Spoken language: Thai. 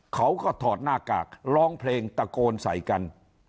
เขาก็ถอดหน้ากากร้องเพลงตะโกนใส่กัน